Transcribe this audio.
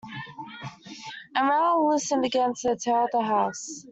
And Raoul listened again to the tale of the house.